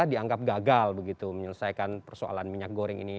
dianggap gagal begitu menyelesaikan persoalan minyak goreng ini